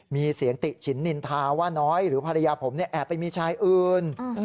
มีเสียงติฉินนินทาว่าน้อยหรือภรรยาผมแอบไปมีชายอื่น